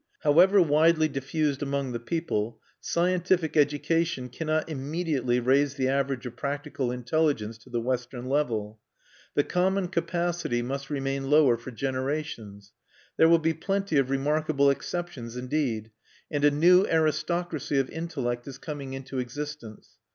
However widely diffused among the people, scientific education cannot immediately raise the average of practical intelligence to the Western level. The common capacity must remain lower for generations. There will be plenty of remarkable exceptions, indeed; and a new aristocracy of intellect is coming into existence.